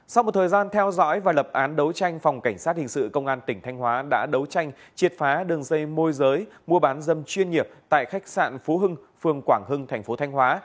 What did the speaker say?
sau một thời gian theo dõi và lập án đấu tranh phòng cảnh sát hình sự công an tỉnh thanh hóa đã đấu tranh triệt phá đường dây môi giới mua bán dâm chuyên nghiệp tại khách sạn phú hưng phường quảng hưng thành phố thanh hóa